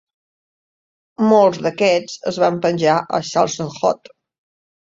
Molts d'aquests es van penjar a Slashdot.